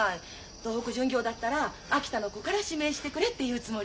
東北巡業だったら秋田の子から指名してくれって言うつもり。